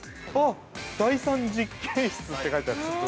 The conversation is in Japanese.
第３実験室って書いてある。